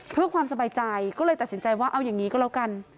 เพื่อความสบายใจก็เลยตัดสินใจว่าเอาอย่างนี้ก็แล้วกัน